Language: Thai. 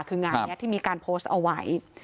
คืองานนี้ที่มีการโพสต์เอาไว้